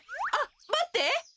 あっまって！